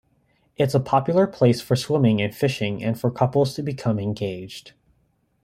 It's a popular place for swimming and fishing and for couples to become engaged.